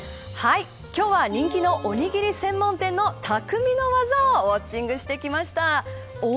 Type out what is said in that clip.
今日は人気のおにぎり専門店の匠の技をウオッチングしてきました。